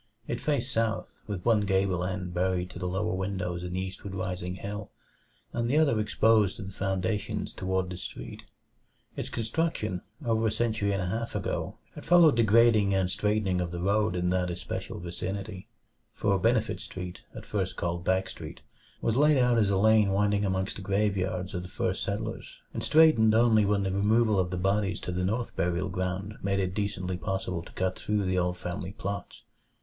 It faced south, with one gable end buried to the lower windows in the eastward rising hill, and the other exposed to the foundations toward the street. Its construction, over a century and a half ago, had followed the grading and straightening of the road in that especial vicinity; for Benefit Street at first called Back Street was laid out as a lane winding amongst the graveyards of the first settlers, and straightened only when the removal of the bodies to the North Burial Ground made it decently possible to cut through the old family plots.